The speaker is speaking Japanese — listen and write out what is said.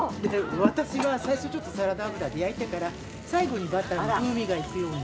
私は最初ちょっとサラダ油で焼いてから最後にバターの風味がいくように。